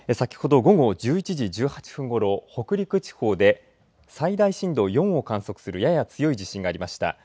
先ほど午後１１時８分ごろ北陸地方で最大震度４を観測するやや強い地震がありました。